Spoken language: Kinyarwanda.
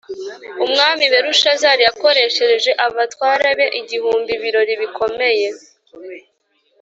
Umwami Belushazarin yakoreshereje abatware be igihumbi ibirori bikomeye